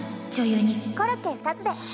コロッケ２つで。